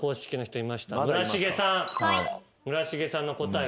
村重さんの答え